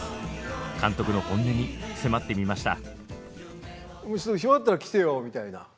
監督の本音に迫ってみました。